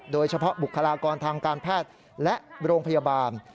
โดยเฉพาะบุคลากรทางการแพทย์และโรงพยาบาล